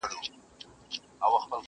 قصیدو ته ځان تیار کړ شاعرانو!